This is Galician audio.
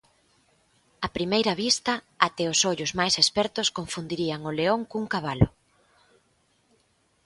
A primeira vista, até os ollos máis expertos confundirían o león cun cabalo.